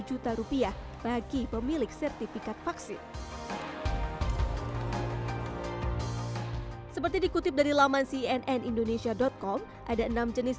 juta rupiah bagi pemilik sertifikat vaksin seperti dikutip dari laman cnnindonesia com ada enam jenis